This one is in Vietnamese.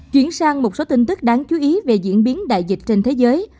chuyển sang một số tin tức đáng chú ý về diễn biến đại dịch trên thế giới